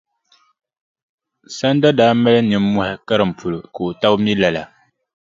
Sanda daa mali nimmohi karim polo ka o taba mi lala.